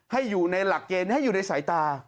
ให้อยู่ในหลักเกณฑ์ให้อยู่ในสายตา